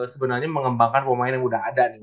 sebenarnya mengembangkan pemain yang udah ada nih